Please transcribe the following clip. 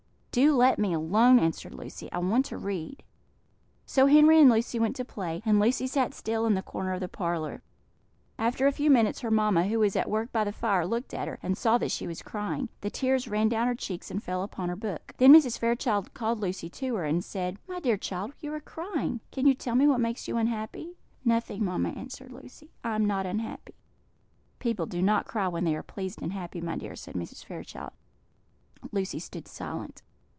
"Do let me alone," answered Lucy; "I want to read." So Henry and Emily went to play, and Lucy sat still in the corner of the parlour. After a few minutes her mamma, who was at work by the fire, looked at her, and saw that she was crying; the tears ran down her cheeks, and fell upon her book. Then Mrs. Fairchild called Lucy to her, and said: "My dear child, you are crying; can you tell me what makes you unhappy?" "Nothing, mamma," answered Lucy; "I am not unhappy." "People do not cry when they are pleased and happy, my dear," said Mrs. Fairchild. Lucy stood silent.